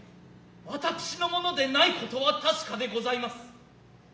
私のものでないことは確でございます。